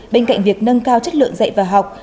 bên cạnh việc nâng cao chất lượng dạy và học